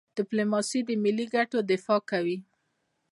ډيپلوماسي د ملي ګټو دفاع کوي.